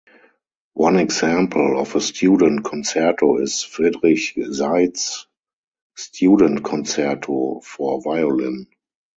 One example of a student concerto is Friedrich Seitz's "Student Concerto" for violin.